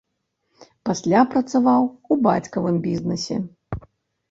Пасля працаваў у бацькавым бізнэсе.